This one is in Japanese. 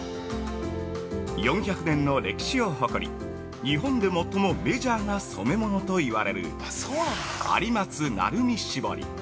◆４００年の歴史を誇り日本で最もメジャーな染め物と言われる「有松・鳴海絞り」。